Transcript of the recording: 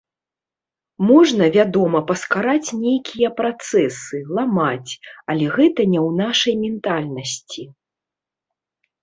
Можна, вядома, паскараць нейкія працэсы, ламаць, але гэта не ў нашай ментальнасці.